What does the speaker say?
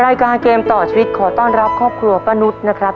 รายการเกมต่อชีวิตขอต้อนรับครอบครัวป้านุษย์นะครับ